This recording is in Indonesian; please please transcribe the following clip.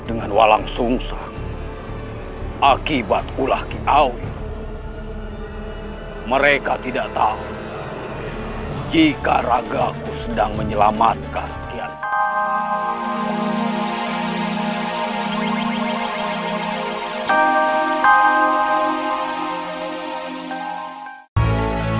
dengan walang sung sang akibat ulah keawi mereka tidak tahu jika ragaku sedang menyelamatkan kian santang